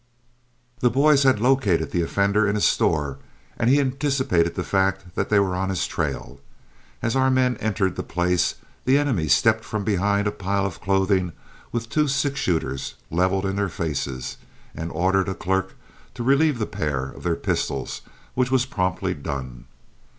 The boys had located the offender in a store, and he anticipated the fact that they were on his trail. As our men entered the place, the enemy stepped from behind a pile of clothing with two six shooters leveled in their faces, and ordered a clerk to relieve the pair of their pistols, which was promptly done.